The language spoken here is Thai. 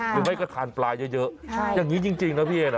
หรือไม่ก็ทานปลาเยอะอย่างนี้จริงนะพี่เอนะ